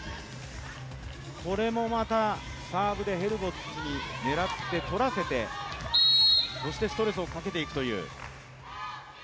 これもまたサーブでヘルボッツに狙って取らせてそしてストレスをかけていくという。